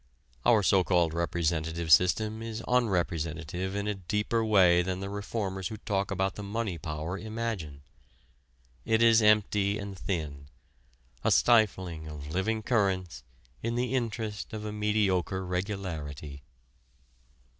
Our so called representative system is unrepresentative in a deeper way than the reformers who talk about the money power imagine. It is empty and thin: a stifling of living currents in the interest of a mediocre regularity.